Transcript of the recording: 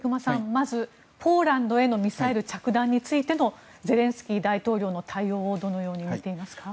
まずポーランドへのミサイル着弾についてのゼレンスキー大統領の対応をどのように見ていますか？